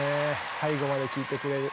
最後まで聴いてくれる。